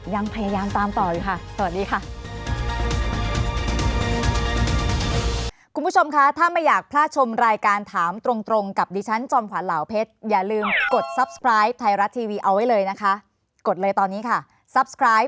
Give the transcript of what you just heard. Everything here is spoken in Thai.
ยังพยายามตามต่ออยู่ค่ะสวัสดีค่ะ